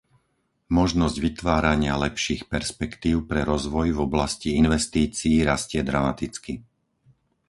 Možnosť vytvárania lepších perspektív pre rozvoj v oblasti investícií rastie dramaticky.